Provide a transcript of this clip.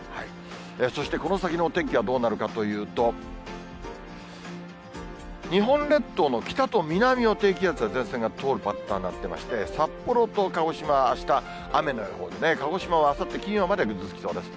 そしてこの先のお天気はどうなるかというと、日本列島の北と南を低気圧や前線が通るパターンになってまして、札幌と鹿児島、あした、雨の予報、鹿児島はあさって金曜までぐずつきそうです。